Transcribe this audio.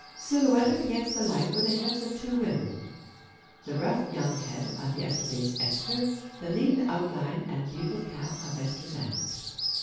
Silhouetted against the light were the heads of two women; the rough young head of yesterday's Esther, the lean outline and bugled cap of Esther's aunt.